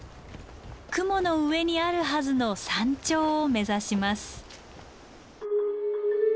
雲の上にあるはずの山頂を目指します。